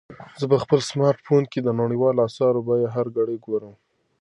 زه په خپل سمارټ فون کې د نړیوالو اسعارو بیې هره ګړۍ ګورم.